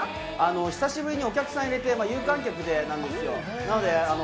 久しぶりにお客さんを入れて、有観客なんですよ。